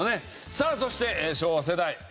さあそして昭和世代。